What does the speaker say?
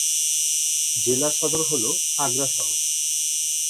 জেলা সদর হল আগ্রা শহর।